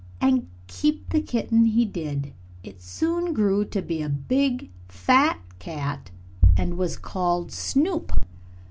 And keep the kitten he did. It soon grew to be a big, fat cat and was called Snoop.